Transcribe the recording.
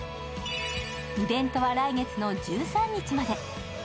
イベントは来月の１３日まで。